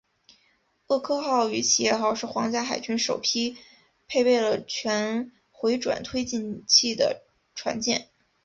厄科号与企业号是皇家海军首批配备了全回转推进器的船舰。